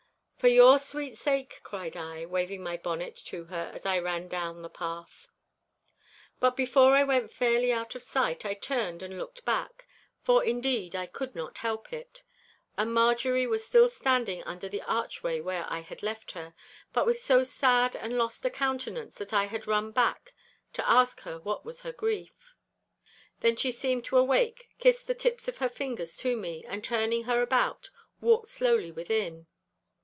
'For your sweet sake,' cried I, waving my bonnet to her as I ran down the path. But before I went fairly out of sight I turned and looked back, for, indeed, I could not help it. And Marjorie was still standing under the archway where I had left her, but with so sad and lost a countenance that I had run back to ask her what was her grief. Then she seemed to awake, kissed the tips of her fingers to me, and turning her about, walked slowly within.